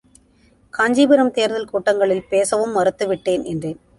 காஞ்சிபுரம் தேர்தல் கூட்டங்களில் பேசவும் மறுத்துவிட்டேன், என்றேன்.